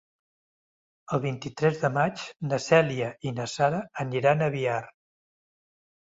El vint-i-tres de maig na Cèlia i na Sara aniran a Biar.